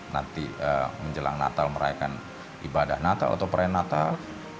nanti menjelang natal merayakan ibadah natal atau perayaan natal